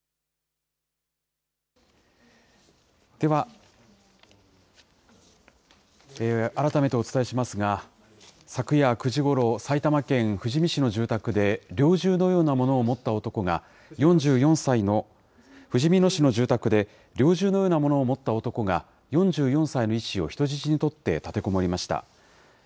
では、改めてお伝えしますが、昨夜９時ごろ、埼玉県ふじみ市の住宅で猟銃のようなものを持った男が、４４歳のふじみ野市の住宅で、猟銃のようなものを持った男が、４４歳の医師を人質に取って立てこもりました。